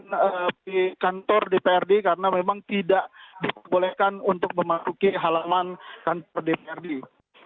kami berterima kasih kepada bem yang telah melakukan aksi unjuk rasa di halaman kantor dprd provinsi